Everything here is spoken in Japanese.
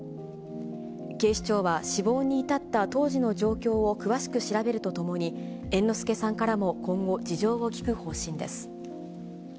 警視庁は死亡に至った当時の状況を詳しく調べるとともに、猿之助さんからも今後、事情を聴く方針です。